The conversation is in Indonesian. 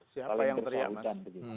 siapa yang teriak mas